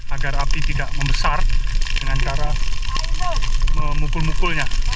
agar api tidak membesar dengan cara memukul mukulnya